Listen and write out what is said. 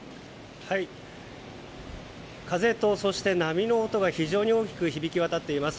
風と、そして波の音が非常に大きく響き渡っています。